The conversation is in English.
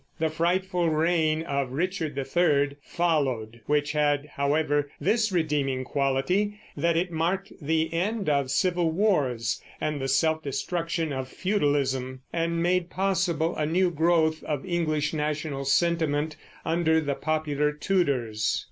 The frightful reign of Richard III followed, which had, however, this redeeming quality, that it marked the end of civil wars and the self destruction of feudalism, and made possible a new growth of English national sentiment under the popular Tudors.